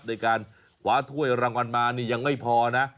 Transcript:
ในการคว้าถ้วยรางวัลมานี่ยังไม่พอนะ